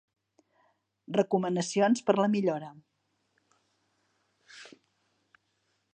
Recomanacions per a la millora.